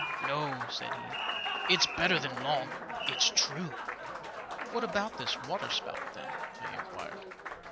" No," said he ;*' it's better than long, it's true." What about this waterspout, then ?" I inquired.